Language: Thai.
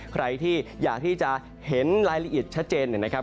ใครที่อยากที่จะเห็นรายละเอียดชัดเจนนะครับ